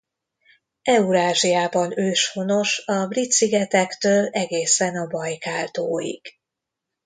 Eurázsiában őshonos a Brit-szigetektől egészen a Bajkál-tóig.